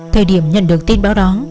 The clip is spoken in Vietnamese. thời điểm nhận được tin báo đó